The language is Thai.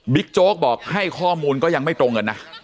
โจ๊กบอกให้ข้อมูลก็ยังไม่ตรงกันนะ